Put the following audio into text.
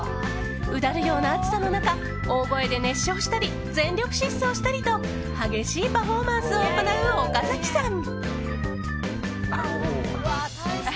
うだるような暑さの中大声で熱唱したり全力疾走したりと激しいパフォーマンスを行う岡崎さん。